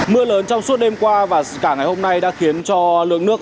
mưa lớn trong suốt đêm qua và cả ngày hôm nay đã khiến cho lượng nước